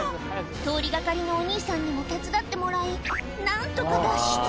通り掛かりのお兄さんにも手伝ってもらい何とか脱出